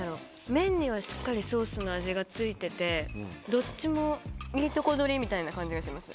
麺にはしっかりソースの味が付いててどっちもいいとこ取りみたいな感じがします。